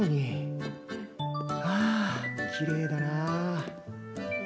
ああきれいだな。